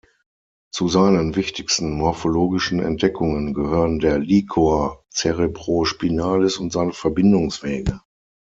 Zu seinen wichtigsten morphologischen Entdeckungen gehören der Liquor cerebrospinalis und seine Verbindungswege.